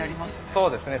そうですね。